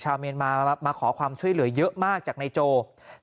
ชาวเมียนมามาขอความช่วยเหลือเยอะมากจากในโจรหลายครั้ง